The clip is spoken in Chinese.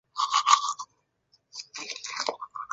稻槎菜为菊科稻搓菜属的植物。